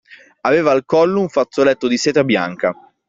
Aveva al collo un fazzoletto di seta bianca.